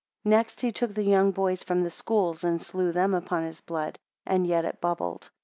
Next he took the young boys from the schools, and slew them upon his blood; and yet it bubbled.